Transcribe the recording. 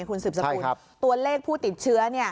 คุณสืบสกุลตัวเลขผู้ติดเชื้อ